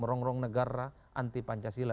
merongrong negara anti pancasila